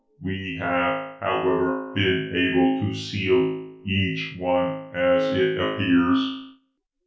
We have, however, been able to seal each new one as it appears."